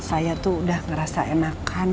saya tuh udah ngerasa enakan